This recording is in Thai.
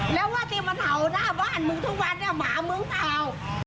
แล้วว่าที่มาเผาหน้าบ้านมึงทุกวันหมามึงเปล่า